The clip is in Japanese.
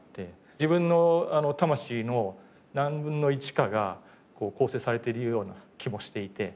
自分の魂の何分の一かが構成されているような気もしていて。